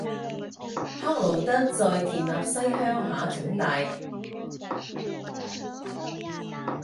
克劳德在田纳西乡下长大。